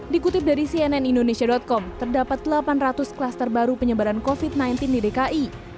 dikutip dari cnn indonesia com terdapat delapan ratus klaster baru penyebaran covid sembilan belas di dki